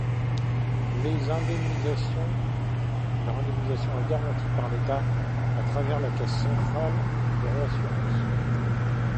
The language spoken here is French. Leur indemnisation est garantie par l'État à travers la Caisse centrale de réassurance.